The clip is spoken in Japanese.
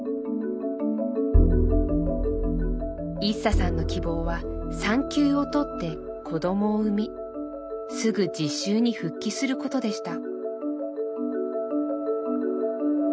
イッサさんの希望は産休を取って子どもを産みすぐ実習に復帰することでした。